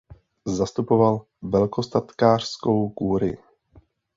Zastupoval velkostatkářskou kurii.